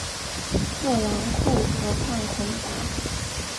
特兰库河畔孔达。